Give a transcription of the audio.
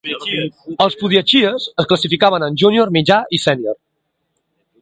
Els "Podyachyes" es classificaven en junior, mitjà i sènior.